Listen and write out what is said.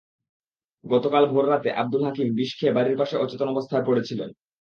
গতকাল ভোররাতে আবদুল হাকিম বিষ খেয়ে বাড়ির পাশে অচেতন অবস্থায় পড়ে ছিলেন।